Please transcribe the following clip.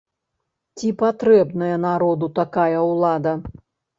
Ці патрэбная народу такая ўлада?